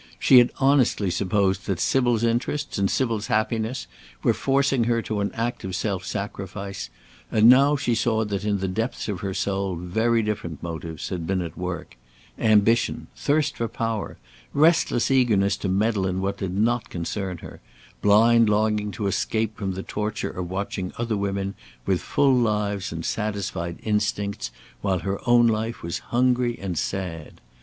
She had honestly supposed that Sybil's interests and Sybil's happiness were forcing her to an act of self sacrifice; and now she saw that in the depths of her soul very different motives had been at work: ambition, thirst for power, restless eagerness to meddle in what did not concern her, blind longing to escape from the torture of watching other women with full lives and satisfied instincts, while her own life was hungry and sad.